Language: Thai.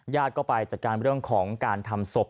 ญาติก็ไปจัดการเรื่องของการทำศพ